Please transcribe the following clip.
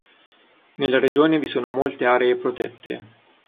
Nella regione vi sono molte aree protette.